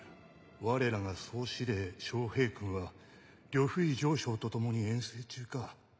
われらが総司令・昌平君は呂不韋丞相と共に遠征中か。